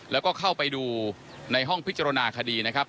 แล้วก็เข้าไปดูในห้องพิจารณาคดีนะครับ